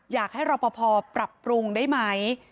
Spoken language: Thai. อยากให้รอปภปรับปรุงได้ไหม